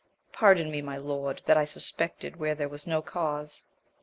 Pardon me, my lord, that I suspected where there was no cause.